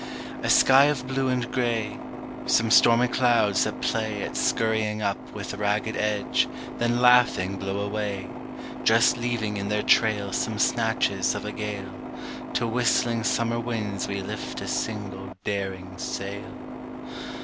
A sky of blue and grey; Some stormy clouds that play At scurrying up with ragged edge, then laughing blow away, Just leaving in their trail Some snatches of a gale; To whistling summer winds we lift a single daring sail.